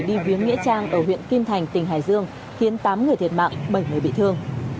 đi viếng nghĩa trang ở huyện kim thành tỉnh hải dương khiến tám người thiệt mạng bảy người bị thương